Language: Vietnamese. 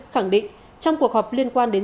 khẳng định trong cuộc họp liên quan đến